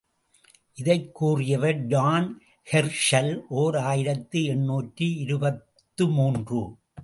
இதைக் கூறியவர் John Herschel, ஓர் ஆயிரத்து எண்ணூற்று இருபத்து மூன்று.